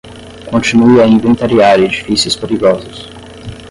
Continue a inventariar edifícios perigosos